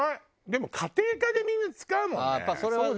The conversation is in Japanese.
でも家庭科でみんな使うもんね。